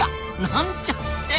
なんちゃって。